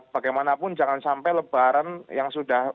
bagaimanapun jangan sampai lebaran yang sudah